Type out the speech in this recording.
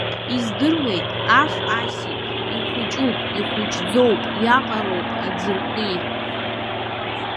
Издыруеит, аф асит, ихәыҷуп, ихәыҷӡоуп, иаҟароуп аӡыркәи.